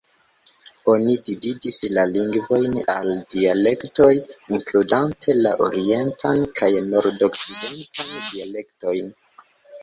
Oni dividis la lingvojn al dialektoj, inkludante la orientan kaj nord-okcidentan dialektojn.